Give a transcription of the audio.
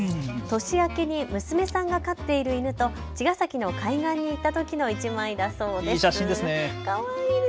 年明けに娘さんが飼っている犬と茅ヶ崎の海岸に行ったときの１枚だそうです。